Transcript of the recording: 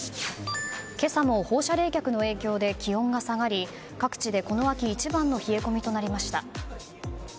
今朝も放射冷却の影響で気温が下がり各地でこの秋一番の冷え込みとなりました。